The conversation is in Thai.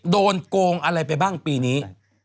โกงอะไรไปบ้างปีนี้